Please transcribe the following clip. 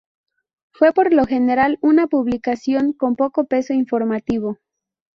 Fue por lo general una publicación con poco peso informativo.